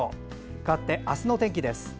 かわって明日の天気です。